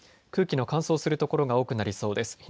空気の乾燥する所が多くなりそうです。